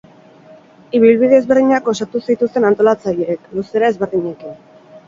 Ibilbide ezberdinak osatu zituzten antolatzaileek, luzera ezberdinekin.